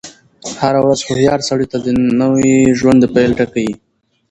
هره ورځ هوښیار سړي ته د نوی ژوند د پيل ټکی يي.